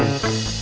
aku mau kemana